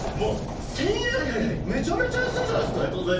１０００円⁉めちゃめちゃ安いじゃないですか。